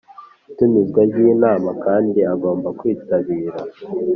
itumizwa ry’ inama kandi agomba kwitabira